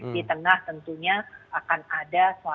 di tengah tentunya akan ada suatu kegiatan besar